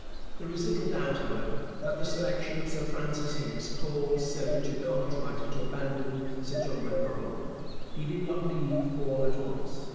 There is little doubt, however, that the selection of Sir Francis Hincks caused Sir Richard Cartwright to abandon Sir John Macdonald. He did not leave all at once.